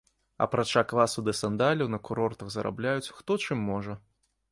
Апрача квасу ды сандаляў на курортах зарабляюць, хто чым можа.